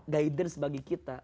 gaiden sebagai kita